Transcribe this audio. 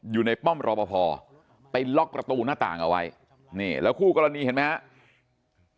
ป้อมรอปภไปล็อกประตูหน้าต่างเอาไว้นี่แล้วคู่กรณีเห็นไหมครับ